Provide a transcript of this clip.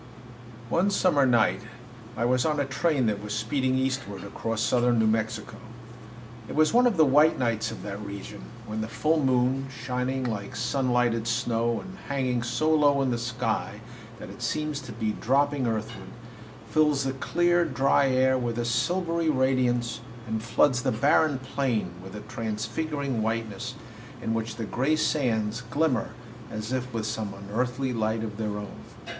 One summer night I was on a train that was speeding eastward across southern New Mexico. It was one of the white nights of that region, when the full moon, shining like sun lighted snow and hanging so low in the sky that it seems to be dropping earthward, fills the clear, dry air with a silvery radiance and floods the barren plain with a transfiguring whiteness, in which the gray sands glimmer as if with some unearthly light of their own.